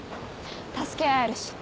助け合えるし。